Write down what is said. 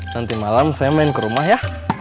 nanti malam saya main ke rumah ya